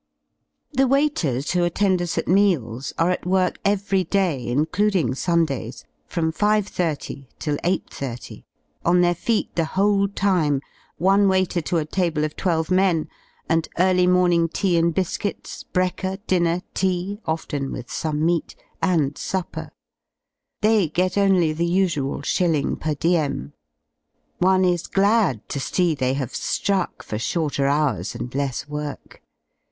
The waiters who attend us at meals are at work every day, including Sundays, from 5.30 till 8.30, on their feet the whole time, one waiter to a table of twelve men, and early morning tea and biscuits, brekker, dinner, tea — often with some meat — ^and supper. They get only the usual shilling per diem. One is glad to see they have ^ruck for shorter hours and less work.